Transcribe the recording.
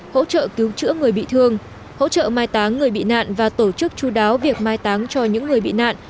hỗ trợ cứu chữa người bị thương hỗ trợ mai táng người bị nạn và tổ chức chú đáo việc mai táng cho những người bị nạn